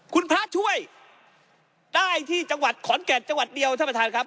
คุณพระช่วยได้ที่จังหวัดขอนแก่นจังหวัดเดียวท่านประธานครับ